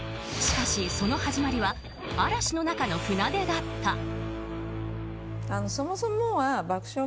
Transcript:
しかし、その始まりは嵐の中の船出だった。